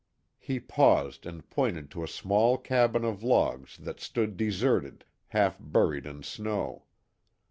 He paused and pointed to a small cabin of logs that stood deserted, half buried in snow.